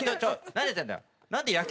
何やってんだよ？